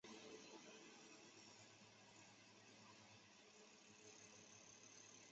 其游牧区域在欧洲人绘制的地图里称之为鞑靼利亚。